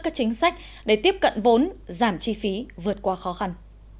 các chính sách để tiếp cận vốn giảm chi phí vượt qua khó khăn